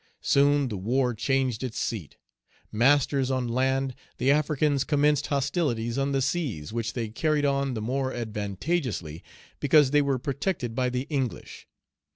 Soon the war changed its seat. Masters on land, the Africans commenced hostilities on the seas, which they carried on the more advantageously because they were protected by the English.